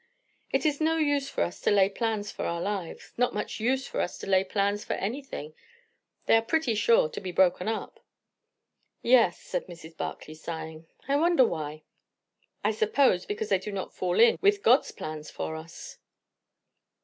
"It is no use for us to lay plans for our lives; not much use for us to lay plans for anything. They are pretty sure to be broken up." "Yes," said Mrs. Barclay, sighing. "I wonder why!" "I suppose, because they do not fall in with God's plans for us."